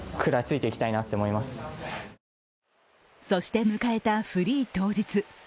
そして迎えたフリー当日。